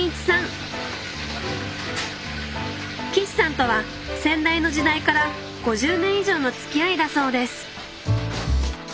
岸さんとは先代の時代から５０年以上のつきあいだそうです。